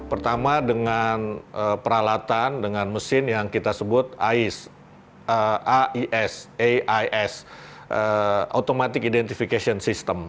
pertama dengan peralatan dengan mesin yang kita sebut ais automatic identification system